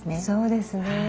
そうですね。